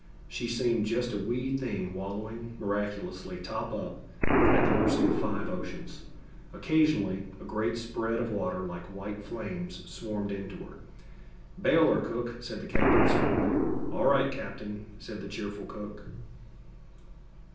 She seemed just a wee thing wallowing, miraculously top up, at the mercy of five oceans. Occasionally, a great spread of water, like white flames, swarmed into her. "Bail her, cook," said the captain serenely. "All right, captain," said the cheerful cook.